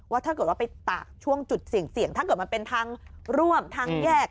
ถ้าเกิดว่าไปตากช่วงจุดเสี่ยงถ้าเกิดมันเป็นทางร่วมทางแยก